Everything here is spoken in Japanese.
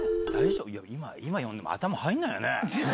今読んでも、頭入んないよね？